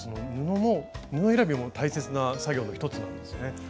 布選びも大切な作業の一つなんですね。